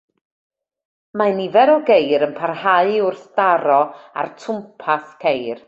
Mae nifer o geir yn parhau i wrthdaro â'r twmpath ceir.